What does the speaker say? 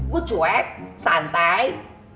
gue cuek santai